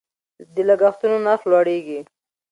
د لګښتونو نرخ لوړیږي.